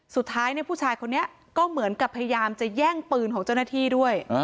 สุดท้ายผู้ชายคนนี้ก็เหมือนกับพยายามจะแย่งปืนของเจ้าหน้าที่ด้วย